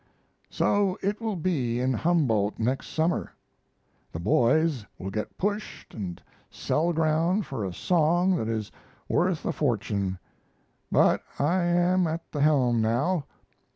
So it will be in Humboldt next summer. The boys will get pushed and sell ground for a song that is worth a fortune. But I am at the helm now.